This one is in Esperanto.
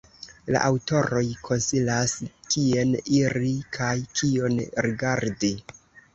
La aŭtoroj konsilas, kien iri kaj kion rigardi.